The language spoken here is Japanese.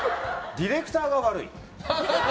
ディレクターが悪い。